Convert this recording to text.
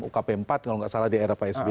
ukp empat kalau nggak salah di era psb